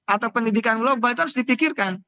atau pendidikan global itu harus dipikirkan